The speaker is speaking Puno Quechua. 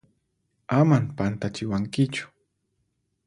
Aman pantachiwankichu!